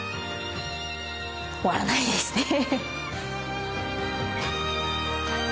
終わらないですね。